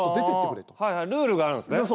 ルールがあるんですね。